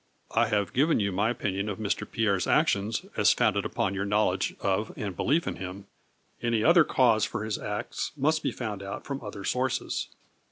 I have given you my opinion of Mr. Pierre's actions as founded upon your knowledge of and belief in him. Any other cause for his acts must be found out from other sources."